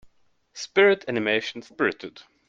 Spirit animation Spirited.